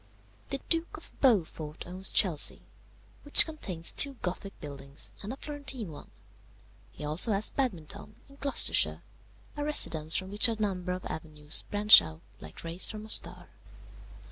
"The Duke of Beaufort owns Chelsea, which contains two Gothic buildings, and a Florentine one; he has also Badminton, in Gloucestershire, a residence from which a number of avenues branch out like rays from a star.